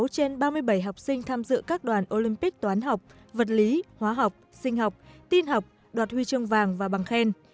sáu trên ba mươi bảy học sinh tham dự các đoàn olympic toán học vật lý hóa học sinh học tin học đoạt huy chương vàng và bằng khen